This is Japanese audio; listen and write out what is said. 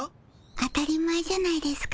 当たり前じゃないですか。